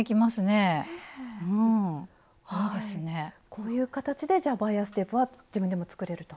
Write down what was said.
こういう形でじゃバイアステープは自分でも作れると。